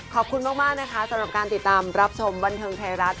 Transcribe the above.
ขอบคุณมากนะคะสำหรับการติดตามรับชมบันเทิงไทยรัฐ